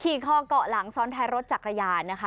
คอเกาะหลังซ้อนท้ายรถจักรยานนะคะ